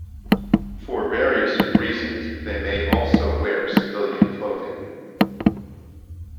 For various reasons, they may also wear civilian clothing.